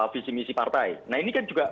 visi misi partai nah ini kan juga